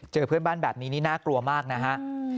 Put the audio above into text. เพื่อนบ้านแบบนี้นี่น่ากลัวมากนะฮะ